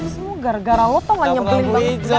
semoga gara gara lo toh gak nyebelin lampu hijau